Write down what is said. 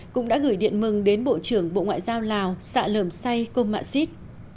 cũng đã gửi điện mừng đến bộ trưởng bộ ngoại giao lào sạ lờm say công mạ xít